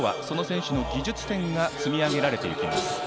その選手の技術点が積み上げられていきます。